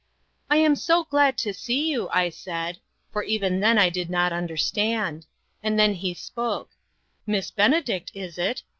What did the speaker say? ' I am so glad to see you,' I said, for even then I did not understand. And then he spoke :' Miss Benedict, is it?